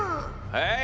はい。